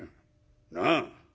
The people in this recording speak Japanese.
なあ。